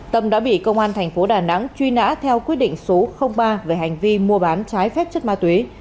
tâm đã bị công an thành phố đà nẵng truy nã theo quyết định số ba về hành vi mua bán trái phép chất ma túy